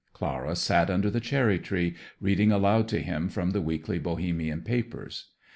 Clara sat under the cherry tree, reading aloud to him from the weekly Bohemian papers.